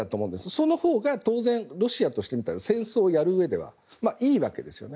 そのほうが当然ロシアとしてみれば戦争をやるうえではいいわけですよね。